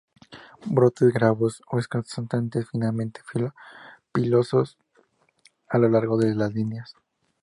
Brotes glabros o escasamente finamente pilosos a lo largo de dos líneas.